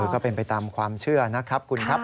ก็เป็นไปตามความเชื่อนะครับคุณครับ